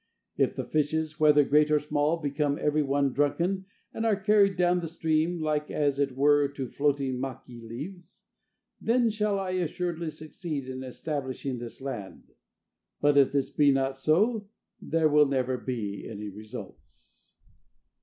If the fishes, whether great or small, become every one drunken and are carried down the stream, like as it were to floating maki leaves, then shall I assuredly succeed in establishing this land. But if this be not so, there will never be any results."